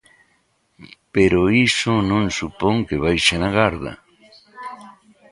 Pero iso non supón que baixen a garda.